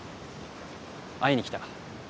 会いに来た。